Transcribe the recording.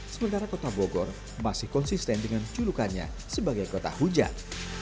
sementara kota bogor masih konsisten dengan julukannya sebagai kota hujan